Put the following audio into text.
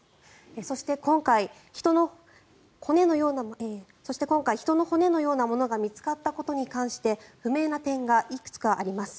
そして、今回人の骨のようなものが見つかったことに関して不明な点がいくつかあります。